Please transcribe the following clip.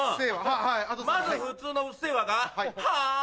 まず普通の『うっせぇわ』が。はぁ？